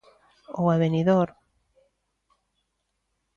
Ou a Benidorm.